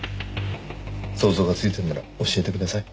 想像がついてるなら教えてください。